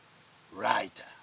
ライター。